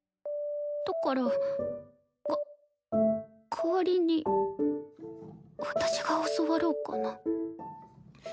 だからか代わりに私が教わろうかな。